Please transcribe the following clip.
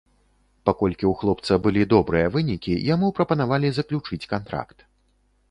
Паколькі ў хлопца былі добрыя вынікі, яму прапанавалі заключыць кантракт.